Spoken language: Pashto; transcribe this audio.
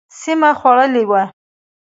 سیمه خوړلې وه.